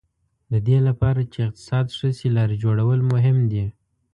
د دې لپاره چې اقتصاد ښه شي لارې جوړول مهم دي.